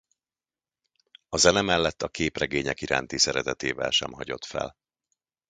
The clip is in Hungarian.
A zene mellett a képregények iránti szeretetével sem hagyott fel.